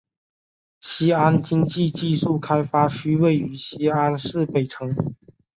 西安经济技术开发区位于西安市北城。